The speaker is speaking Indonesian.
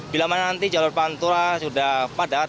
bila mana nanti jalur pantura sudah padat